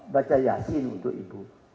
baca yasin untuk ibu